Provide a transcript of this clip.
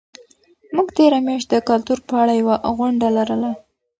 موږ تېره میاشت د کلتور په اړه یوه غونډه لرله.